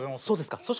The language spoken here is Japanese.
そうですか。